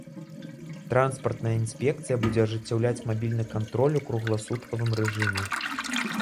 Транспартная інспекцыя будзе ажыццяўляць мабільны кантроль у кругласуткавым рэжыме.